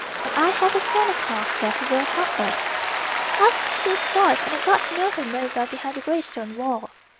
And I have a friend across there who will help us. He has a school for boys and I got to know him very well behind the gray stone wall.